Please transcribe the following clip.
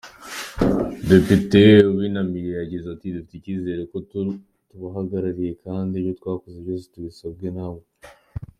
Depite Uwimanimpaye yagize ati “Dufite icyizere kuko turabahagarariye kandi ibyo twakoze byose twabisabwe nabo.